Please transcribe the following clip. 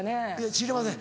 知りません。